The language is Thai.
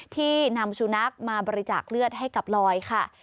ที่นำสุนัขมาบริจาคเลือดให้กับลอยค่ะ